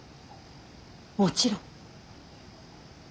もちろん。